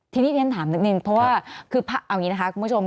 ทีนี้ที่ฉันถามนิดนึงเพราะว่าคือเอาอย่างนี้นะคะคุณผู้ชม